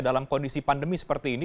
dalam kondisi pandemi seperti ini